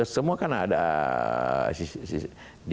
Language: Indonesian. semua kan ada diatur seperti itu